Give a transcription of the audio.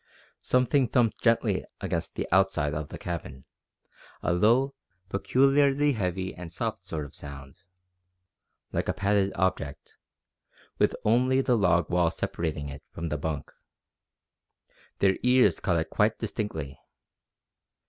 Something thumped gently against the outside of the cabin, a low, peculiarly heavy and soft sort of sound, like a padded object, with only the log wall separating it from the bunk. Their ears caught it quite distinctly.